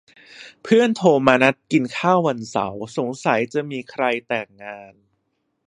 เพื่อนโทรมานัดกินข้าววันเสาร์ สงสัยจะมีใครแต่งงาน